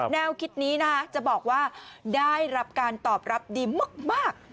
แนวคิดนี้นะจะบอกว่าได้รับการตอบรับดีมาก